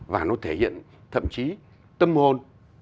và nó thể hiện thậm chí tâm hồn